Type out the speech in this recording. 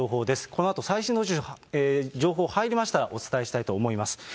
このあと最新の情報、入りましたらお伝えしたいと思います。